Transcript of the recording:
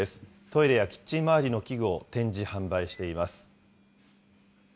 トイレやキッチン周りの器具を展示、販売しています。